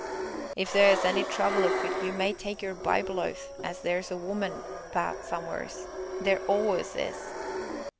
if theer's any trouble afoot you may take your Bible oath as theer's a woman about some'eres theer allus is!"